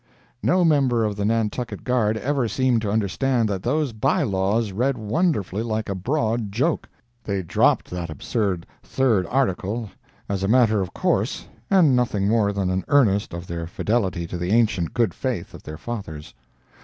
No member of the Nantucket Guard ever seemed to understand that those by laws read wonderfully like a broad joke. They dropped that absurd third article, as a matter of course, and nothing more than an earnest of their fidelity to the ancient good faith of their fathers.